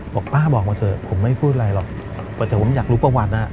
บอกป้าบอกมาเถอะผมไม่พูดอะไรหรอกแต่ผมอยากรู้ประวัติอ่ะ